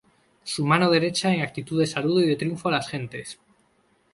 Su mano derecha en actitud de saludo y de triunfo a las gentes.